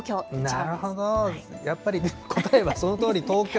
なるほど、やっぱり、答えはそのとおり、東京。